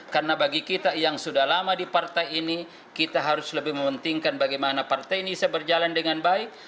karena bagi kita yang sudah lama di partai ini kita harus lebih mementingkan bagaimana partai ini bisa berjalan dengan baik